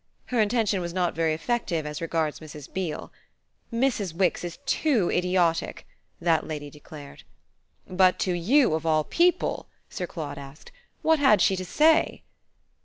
Her intention was not very effective as regards Mrs. Beale. "Mrs. Wix is too idiotic!" that lady declared. "But to you, of all people," Sir Claude asked, "what had she to say?"